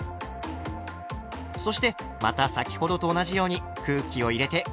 そしてまた先ほどと同じように空気を入れてふります。